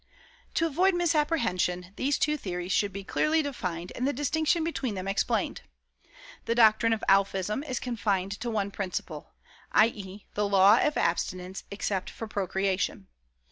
"To avoid misapprehension, these two theories should be clearly defined and the distinction between them explained. The doctrine of Alphism is confined to one principle, i. e., THE LAW OF ABSTINENCE EXCEPT FOR PROCREATION.